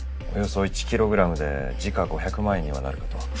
およそ１キログラムで時価５００万円にはなるかと。